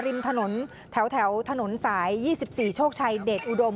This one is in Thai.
ริมถนนแถวถนนสาย๒๔โชคชัยเดชอุดม